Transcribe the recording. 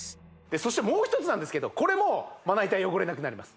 そしてもう一つなんですけどこれもまな板汚れなくなります